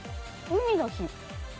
海の日。